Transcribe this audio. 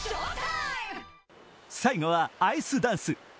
最後はアイスダンス。